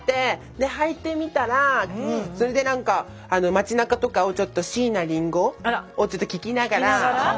ではいてみたらそれで何か街なかとかをちょっと椎名林檎を聴きながら。